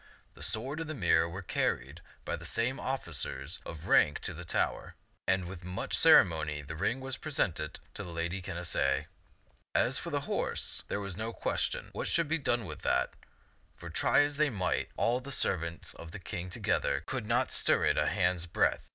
The sword and the mirror were carried by some officers of rank to the tower, and with much ceremony the ring was presented to the Lady Canacee. As for the horse, there was no question what should be done with that, for, try as they might, all the serv ants of the King together could not stir it a hand's breadth.